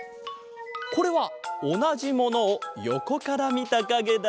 これはおなじものをよこからみたかげだ。